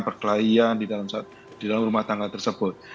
perkelahian di dalam rumah tangga tersebut